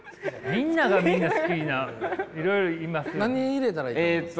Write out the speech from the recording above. みんながみんな好きないろいろいますよ。